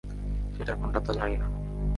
সেটা কোনটা, তা জানি না।